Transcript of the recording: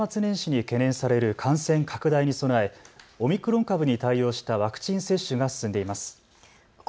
年末年始に懸念される感染拡大に備えオミクロン株に対応したワクチン接種が進んでいます。